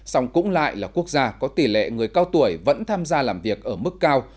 song cũng lại là quốc gia có tỷ lệ người cao tuổi vẫn tham gia làm việc ở mức cao